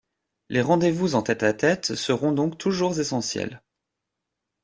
Les rendez-vous en tête à tête seront donc toujours essentiels.